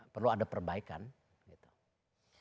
perlu ada perbaikan gitu